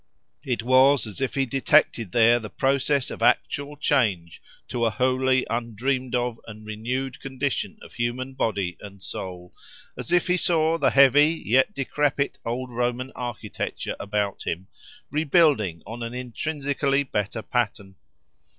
It was as if he detected there the process of actual change to a wholly undreamed of and renewed condition of human body and soul: as if he saw the heavy yet decrepit old Roman architecture about him, rebuilding on an intrinsically better pattern.